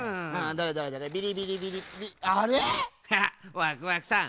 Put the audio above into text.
ワクワクさん